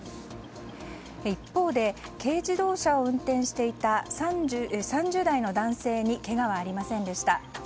一方で軽自動車を運転していた３０代の男性にけがはありませんでした。